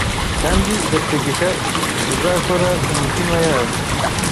kandi igategeka izakora ku mitima yabo.